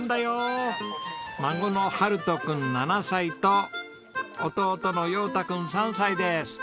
孫の晴登くん７歳と弟の葉太くん３歳です。